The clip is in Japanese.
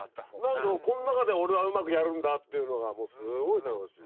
何かこの中で俺はうまくやるんだっていうのがもうすごい楽しい。